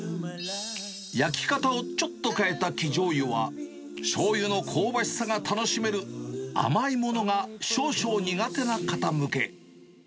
焼き方をちょっと変えた生醤油は、しょうゆの香ばしさが楽しめる、甘いものが少々苦手な方向け。